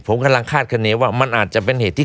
ผมกำลังคาดคณีว่ามันอาจจะเป็นเหตุที่